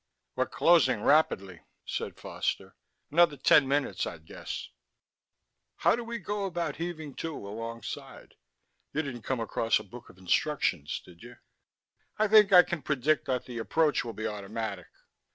"We're closing rapidly," said Foster. "Another ten minutes, I'd guess...." "How do we go about heaving to, alongside? You didn't come across a book of instructions, did you?" "I think I can predict that the approach will be automatic."